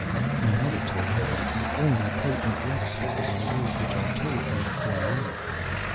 "My mother told me that the only potent love spells are those which are told you for love.